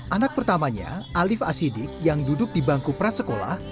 anak pertamanya alif asidik yang duduk di bangku prasekolah